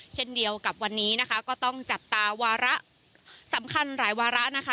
เช่นเดียวกับวันนี้นะคะก็ต้องจับตาวาระสำคัญหลายวาระนะคะ